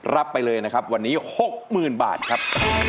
รับไปเลยนะครับวันนี้๖๐๐๐บาทครับ